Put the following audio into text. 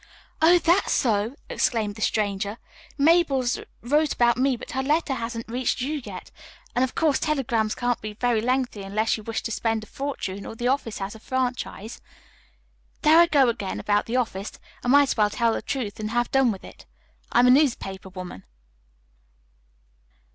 "Oh, that's so!" exclaimed the stranger. "Mabel wrote about me, but her letter hasn't reached you yet, and, of course, telegrams can't be very lengthy unless you wish to spend a fortune or the office has a franchise. There I go again about the office. I might as well tell the truth and have done with it: I'm a newspaper woman."